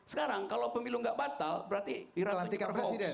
sekarang kalau pemilu gak batal berarti wiranto diperhoaks